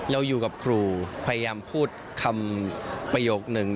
เราอยู่กับครูพยายามพูดคำประโยคนึง